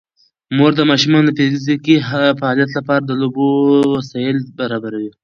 مور د ماشومانو د فزیکي فعالیت لپاره د لوبو وسایل برابروي.